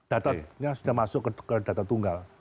datanya sudah masuk ke data tunggal